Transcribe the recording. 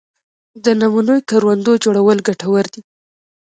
د نمونوي کروندو جوړول ګټور دي